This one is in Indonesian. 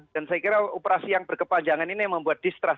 dan saya kira operasi yang berkepanjangan ini membuat distrust